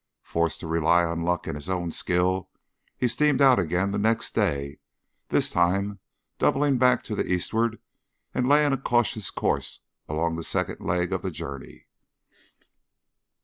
Forced to rely on luck and his own skill, he steamed out again the next day, this time doubling back to the eastward and laying a cautious course along the second leg of the journey.